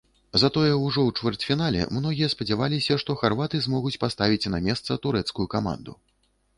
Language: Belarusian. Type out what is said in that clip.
Затое ўжо ў чвэрцьфінале многія спадзяваліся, што харваты змогуць паставіць на месца турэцкую каманду.